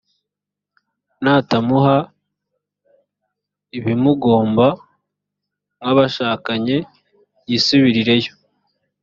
natamuha ibimugomba nk’abashakanye yisubirireyo